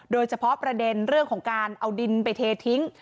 โดยเฉพาะประเด็นเรื่องของการเอาดินไปเททิ้ง